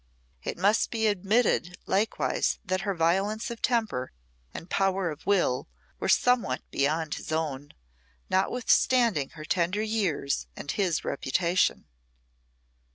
It must be admitted likewise that her violence of temper and power of will were somewhat beyond his own, notwithstanding her tender years and his reputation.